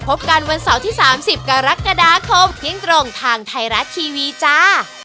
พบกันวันเสาร์ที่๓๐กรกฎาคมเที่ยงตรงทางไทยรัฐทีวีจ้า